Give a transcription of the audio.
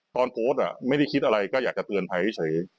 โพสต์ไม่ได้คิดอะไรก็อยากจะเตือนภัยเฉย